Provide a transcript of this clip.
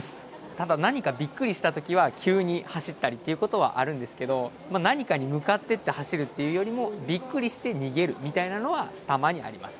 ただ、何かびっくりしたときは、急に走ったりっていうことはあるんですけど、何かに向かってって走るっていうよりも、びっくりして逃げるみたいなのは、たまにあります。